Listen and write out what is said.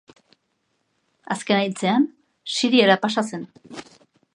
Azkena hiltzean, Siriara pasa zen.